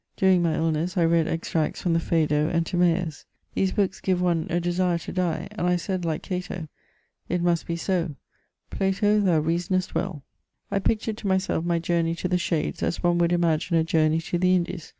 During my illness 1 read extracts from the PhtBdo and Tinueus, These books give one a desire to die, and I said like Cato :— It must be so : Plato, thou reasonest well ! I pictured to myself my journey to the shades, as one would imagine a journey to the Indies.